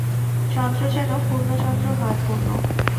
চন্দ্র যেন পূর্ণচন্দ্র হয়– পূর্ণ।